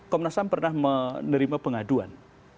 komnas ham pernah menerima pengaduan